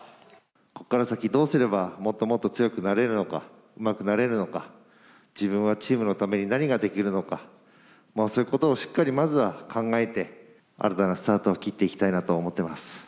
ここから先、どうすればもっともっと強くなれるのか、うまくなれるのか、自分はチームのために何ができるのか、そういうことをしっかりまずは考えて、新たなスタートを切っていきたいなと思っています。